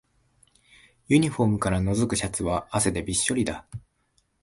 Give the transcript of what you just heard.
ユニフォームからのぞくシャツは汗でびっしょりだ